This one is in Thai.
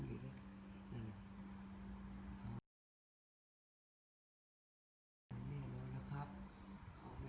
เจ้านายที่วันนี้ให้หัวขอดได้หัวด้วย